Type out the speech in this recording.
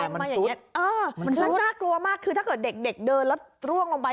มันน่ากลัวมากคือถ้าเกิดเด็กเดินแล้วร่วงลงไป